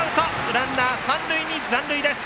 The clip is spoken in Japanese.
ランナー、三塁に残塁です。